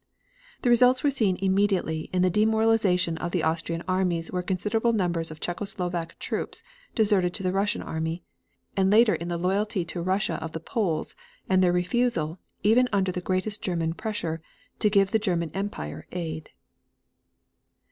The results were seen immediately in the demoralization of the Austrian armies where considerable numbers of Czecho Slovak troops deserted to the Russian army, and later in the loyalty to Russia of the Poles, and their refusal, even under the greatest German pressure, to give the German Empire aid.